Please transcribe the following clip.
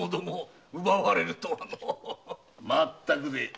まったくで。